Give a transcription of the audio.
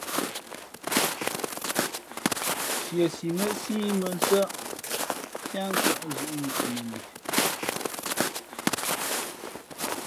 Nsiesi mά síí mʉnsάʼ piá nsα̂ʼ zʉ̌ʼŋwαʼni li.